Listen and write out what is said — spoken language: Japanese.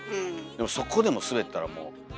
でもそこでもスベったらもう。